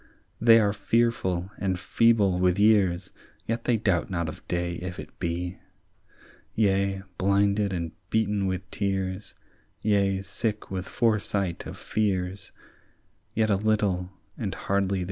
"They are fearful and feeble with years, Yet they doubt not of day if it be; Yea, blinded and beaten with tears, Yea, sick with foresight of fears, Yet a little, and hardly, they see.